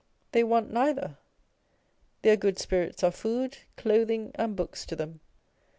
They want neither. Their good spirits are food, clothing, and books to them.